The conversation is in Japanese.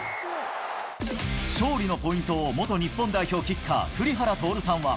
勝利のポイントを元日本代表キッカー、栗原徹さんは。